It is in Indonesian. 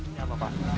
ini apa pak